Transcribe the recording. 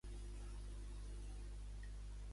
Aleshores s'ha d'anar a ajustos de trucada primer.